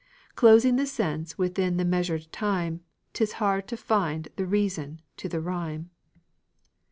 Closing the sense within the measured time, 'Tis hard to fit the reason to the rime.